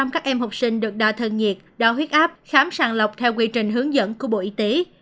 một trăm linh các em học sinh được đo thân nhiệt đo huyết áp khám sàng lọc theo quy trình hướng dẫn của bộ y tế